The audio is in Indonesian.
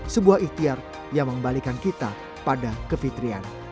sebuah ikhtiar yang mengembalikan kita pada kefitrian